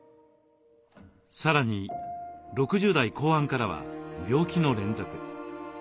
さらに６０代後半からは病気の連続。